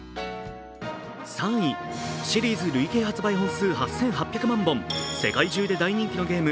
３位、シリーズ累計発売本数８８００万本、世界中で大人気のゲーム